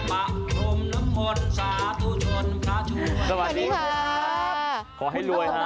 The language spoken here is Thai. ขอให้รวยแต่เช้า